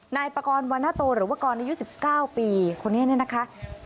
นายปากรวรรณโตหรือว่ากรอายุ๑๙ปีคนนี้เนี่ยนะคะ